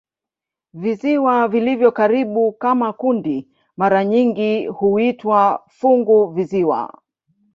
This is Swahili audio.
Visiwa vilivyo karibu kama kundi mara nyingi huitwa "funguvisiwa".